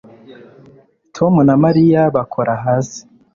Tom na Mariya bakora hasi